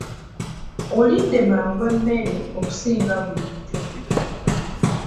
Olidde mangu emmere okusinga bulijjo!